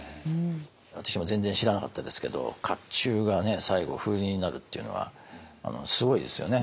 私も全然知らなかったですけど甲冑が最後風鈴になるっていうのはすごいですよね。